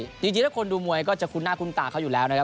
จริงแล้วคนดูมวยก็จะคุ้นหน้าคุ้นตาเขาอยู่แล้วนะครับ